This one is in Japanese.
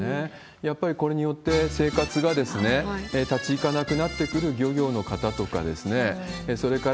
やっぱりこれによって生活が立ちいかなくなってくる漁業の方とか、それから、